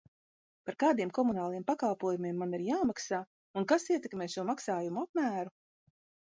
Par kādiem komunāliem pakalpojumiem man ir jāmaksā un kas ietekmē šo maksājumu apmēru?